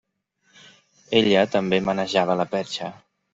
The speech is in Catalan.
Ella també manejava la perxa.